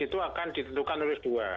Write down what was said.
itu akan ditentukan oleh dua